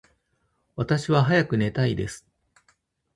私は早く寝たいです。